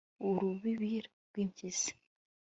Urubibi rwimpyisi